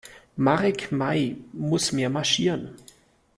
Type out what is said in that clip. Marek Mai muss mehr marschieren.